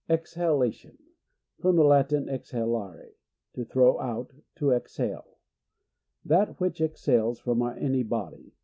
Exhalation. — From the Latin, ex. halare, to throw out, to exhale —• That which exhales from any body.